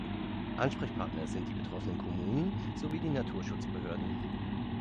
Ansprechpartner sind die betroffenen Kommunen sowie die Naturschutzbehörden.